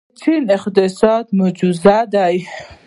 چین اقتصادي معجزه ده.